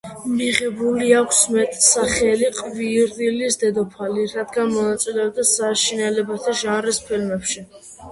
მიღებული აქვს მეტსახელი „ყვირილის დედოფალი“, რადგან მონაწილეობდა საშინელებათა ჟანრის ფილმებში.